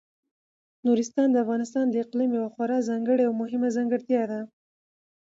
نورستان د افغانستان د اقلیم یوه خورا ځانګړې او مهمه ځانګړتیا ده.